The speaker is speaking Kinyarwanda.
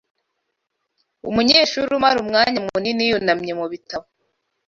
Umunyeshuri umara umwanya munini yunamye mu bitabo